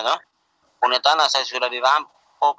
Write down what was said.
punya tanah saya sudah dirampok